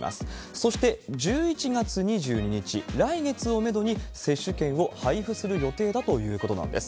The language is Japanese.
そして１１月２２日、来月をメドに接種券を配布する予定だということなんです。